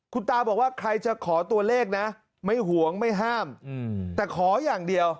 คุณตาบอกว่าใครจะขอตัวเลขนะไม่หวงไม่ห้ามแต่ขออย่างเดียว